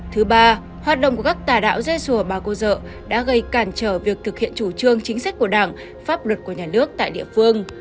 thứ ba hoạt động của các tà đạo dây sùa bà cô dợ đã gây cản trở việc thực hiện chủ trương chính sách của đảng pháp luật của nhà nước tại địa phương